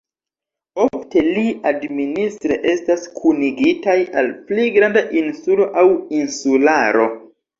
Ofte ili administre estas kunigitaj al pli granda insulo aŭ insularo.